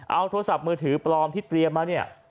เอาโทรศัพท์มือถือปลอมที่เตรียมมาเนี่ย